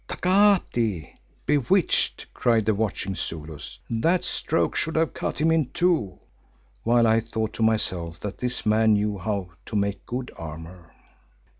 "Tagati! (bewitched)," cried the watching Zulus. "That stroke should have cut him in two!" while I thought to myself that this man knew how to make good armour.